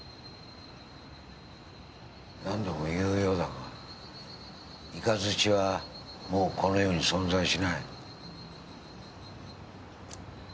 何度も言うようだがイカズチはもうこの世に存在しない。